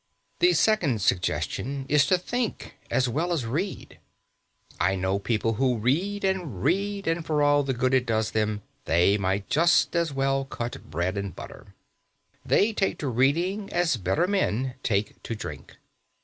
The second suggestion is to think as well as to read. I know people who read and read, and for all the good it does them they might just as well cut bread and butter. They take to reading as better men take to drink.